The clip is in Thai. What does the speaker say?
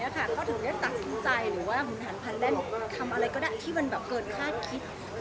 เขาแทบให้ตัดสินใจหรือหันพันแลนด์ทำอะไรก็ได้ที่เกินคราชคิด